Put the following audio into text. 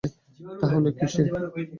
তাহলে কি সে?